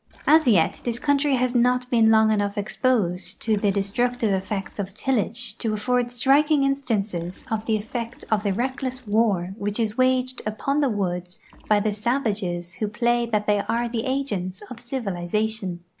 As yet this countiy has not been long enough exposed to the de structive effects of tillage to afford striking instances of the effect of the reckless war which is waged upon the woods by the sav ages who play that they are the agents of civilization.